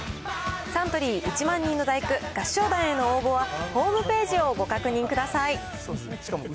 サントリー１万人の第九、合唱団への応募は、ホームページをご確認ください。